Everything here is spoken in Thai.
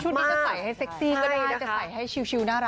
ชุดนี้ก็ใส่ให้เซ็กซี่ก็ได้นะคะ